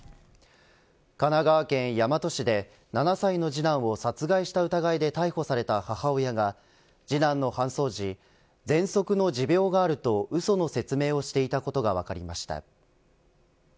神奈川県大和市で７歳の次男を殺害した疑いで逮捕された母親が次男の搬送時ぜんそくの持病があるとうその説明をしていたことが分かりました。